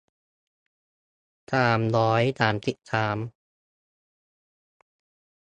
สามร้อยสามสิบสาม